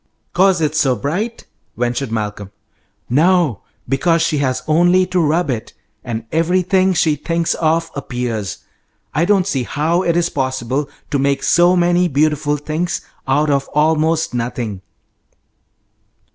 "'Cause it's so bright?" ventured Malcolm. "No; because she has only to rub it, and everything she thinks of appears. I don't see how it is possible to make so many beautiful things out of almost nothing."